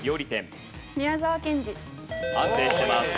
安定してます。